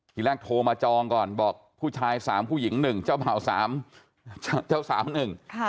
ทีแรกโทรมาจองก่อนบอกผู้ชายสามผู้หญิงหนึ่งเจ้าบ่าวสามเจ้าสาวหนึ่งค่ะ